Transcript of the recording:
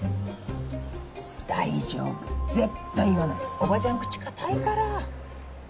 大丈夫絶対言わないおばちゃん口固いから。